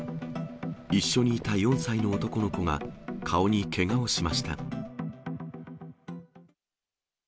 一緒にいた４歳の男の子が顔にけがをしました。